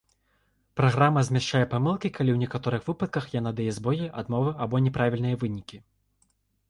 Праграма змяшчае памылкі, калі ў некаторых выпадках яна дае збоі, адмовы або няправільныя вынікі.